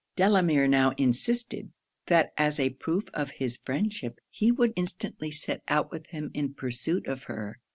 Delamere now insisted, that as a proof of his friendship he would instantly set out with him in pursuit of her.